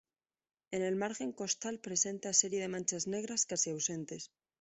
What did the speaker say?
En el margen costal presenta serie de manchas negras casi ausentes.